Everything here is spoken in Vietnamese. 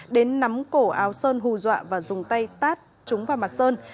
đến nắm cổ áo sơn hù dọa và dùng tay tát chúng vào mặt sơn